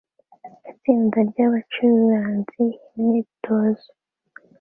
Itsinda ryabacuranzi imyitozo